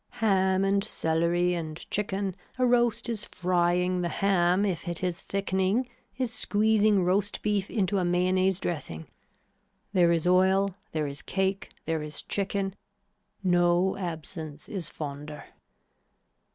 Ham and celery and chicken, a roast is frying, the ham if it is thickening is squeezing roast beef into a mayonnaise dressing. There is oil, there is cake, there is chicken. No absence is fonder.